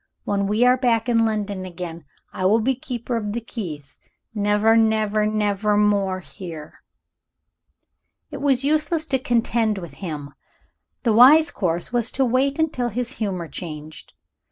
When we are back in London again, I will be Keeper of the Keys. Never, never, never more, here!" It was useless to contend with him; the one wise course was to wait until his humor changed.